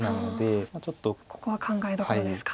ここは考えどころですか。